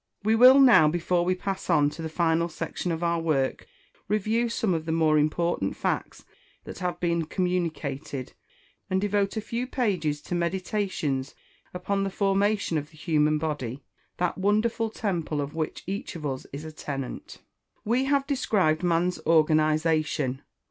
We will now, before we pass on to the final section of our work, review some of the more important facts that have been communicated, and devote a few pages to meditations upon the formation of the human body that wonderful temple of which each of us is a tenant. We have described man's organisation.